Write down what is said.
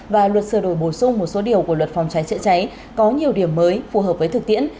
và luật sửa đổi bổ sung một số điều của luật phòng cháy chữa cháy có nhiều điểm mới phù hợp với thực tiễn